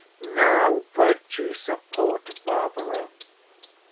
Now virtue support Barbara!